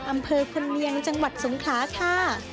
อำเภอพลเนียงจังหวัดสงขลาค่ะ